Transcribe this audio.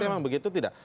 memang begitu tidak